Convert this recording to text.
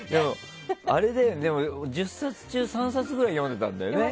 でも、１０冊中３冊ぐらい読んでいたんだよね。